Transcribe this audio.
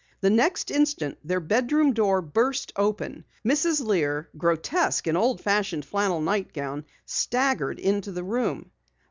The next instant their bedroom door burst open. Mrs. Lear, grotesque in old fashioned flannel nightgown, staggered into the room.